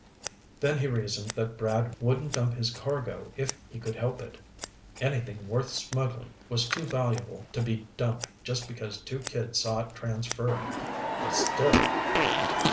Then he reasoned that Brad wouldn't dump his cargo if he could help it. Anything worth smuggling was too valuable to be dumped just because two kids saw it transferred. But still